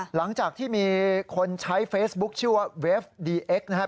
หลังจากที่มีคนใช้เฟซบุ๊คชื่อว่าเวฟดีเอ็กซนะครับ